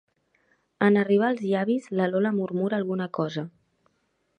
En arribar als llavis la Lola murmura alguna cosa.